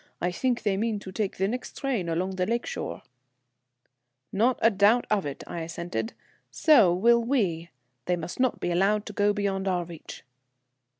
I think they mean to take the next train along the lake shore." "Not a doubt of it," I assented; "so will we. They must not be allowed to go beyond our reach."